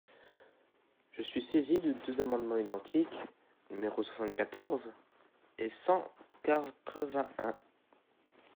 Je suis saisie de deux amendements identiques, numéros soixante-quatorze et cent quatre-vingt-un.